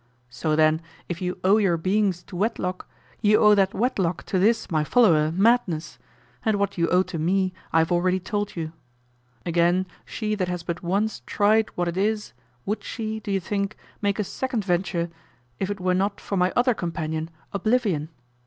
So then, if you owe your beings to wedlock, you owe that wedlock to this my follower, Madness; and what you owe to me I have already told you. Again, she that has but once tried what it is, would she, do you think, make a second venture if it were not for my other companion, Oblivion?